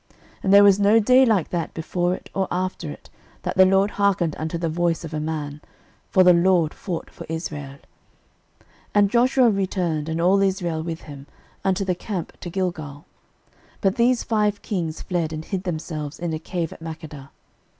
06:010:014 And there was no day like that before it or after it, that the LORD hearkened unto the voice of a man: for the LORD fought for Israel. 06:010:015 And Joshua returned, and all Israel with him, unto the camp to Gilgal. 06:010:016 But these five kings fled, and hid themselves in a cave at Makkedah.